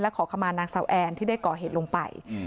ขอขมานางสาวแอนที่ได้ก่อเหตุลงไป